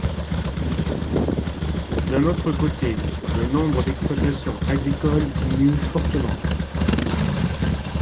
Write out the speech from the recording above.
D'un autre côté, le nombre d'exploitations agricoles diminue fortement.